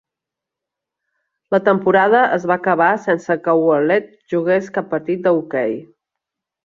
La temporada es va acabar sense que Ouellet jugués cap partit de hoquei.